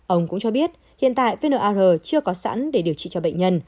ông cũng cho biết hiện tại pnr chưa có sẵn để điều trị cho bệnh nhân